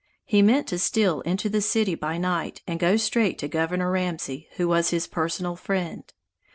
He meant to steal into the city by night and go straight to Governor Ramsey, who was his personal friend.